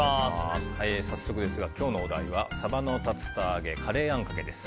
早速ですが、今日のお題はサバの竜田揚げカレーあんかけです。